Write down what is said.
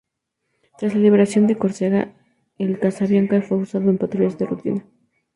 Tras la liberación de Córcega, el "Casabianca" fue usado en patrullas de rutina.